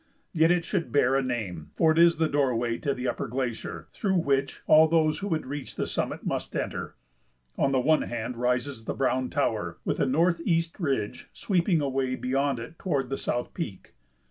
Yet it should bear a name, for it is the doorway to the upper glacier, through which all those who would reach the summit must enter. On the one hand rises the Browne Tower, with the Northeast Ridge sweeping away beyond it toward the South Peak.